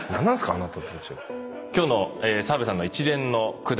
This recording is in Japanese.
あなたたちは。